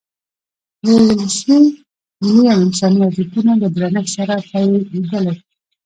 د ولسي، ملي او انساني ارزښتونو له درنښت سره پاېدلی.